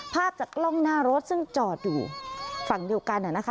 ภาพจากกล้องหน้ารถซึ่งจอดอยู่ฝั่งเดียวกันนะคะ